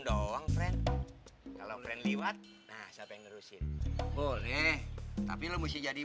doang friend kalau friend liwat nah sampai ngurusin boleh tapi lo musti jadi